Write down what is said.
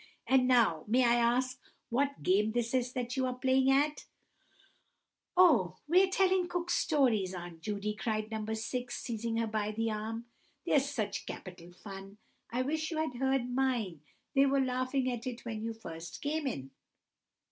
"And now may I ask what game this is that you are playing at?" "Oh, we're telling Cook Stories, Aunt Judy," cried No. 6, seizing her by the arm; "they're such capital fun! I wish you had heard mine; they were laughing at it when you first came in!"